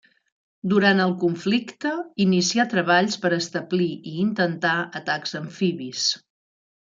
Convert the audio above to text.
Durant el conflicte, inicià treballs per establir i intentar atacs amfibis.